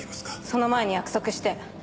その前に約束して。